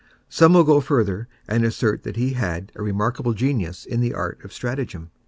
Some will go further and assert that he had a remarkable genius in the art of stratagem.